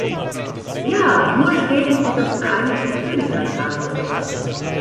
Ja, nur Schweden und das Vereinigte Königreich haben so etwas.